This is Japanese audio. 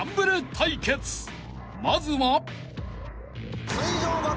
［まずは］